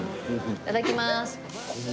いただきます！